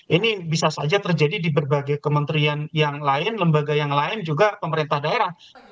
ini bisa saja terjadi di berbagai kementerian yang lain lembaga yang lain juga pemerintah daerah